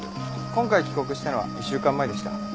今回帰国したのは１週間前でした。